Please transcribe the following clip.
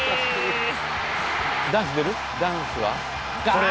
これ！